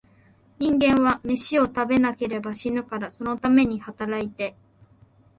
人間は、めしを食べなければ死ぬから、そのために働いて、